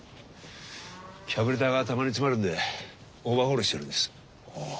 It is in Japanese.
キャブレターがたまに詰まるんでオーバーホールしてるんです。